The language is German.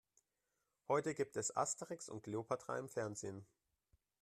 Heute gibt es Asterix und Kleopatra im Fernsehen.